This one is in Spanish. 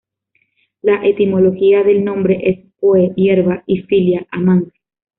La etimología del nombre es: "Poe"= "hierba" y philia= "amante".